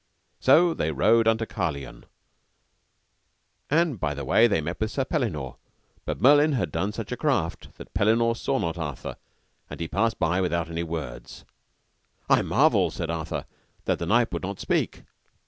So they rode unto Carlion, and by the way they met with Sir Pellinore; but Merlin had done such a craft, that Pellinore saw not Arthur, and he passed by without any words. I marvel, said Arthur, that the knight would not speak.